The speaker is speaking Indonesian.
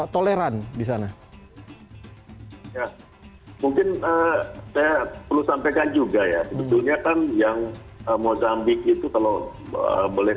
toleran di sana ya mungkin saya perlu sampaikan juga ya sebetulnya kan yang mozambik itu kalau boleh